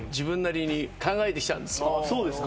そうですか。